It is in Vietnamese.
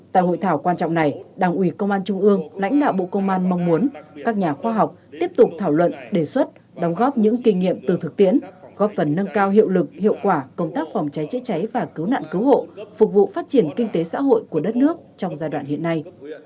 tại hội thảo quan trọng này đảng ủy công an trung ương lãnh đạo bộ công an mong muốn các nhà khoa học tiếp tục thảo luận đề xuất đóng góp những kinh nghiệm từ thực tiễn góp phần nâng cao hiệu lực hiệu quả công tác phòng cháy chữa cháy và cứu nạn cứu hộ phục vụ phát triển kinh tế xã hội của đất nước trong giai đoạn hiện nay